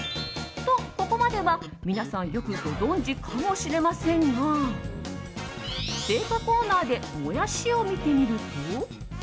と、ここまでは皆さんよくご存じかもしれませんが青果コーナーでモヤシを見てみると。